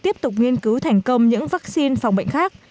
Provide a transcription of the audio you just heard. tiếp tục nghiên cứu thành công những vắc xin phòng bệnh khác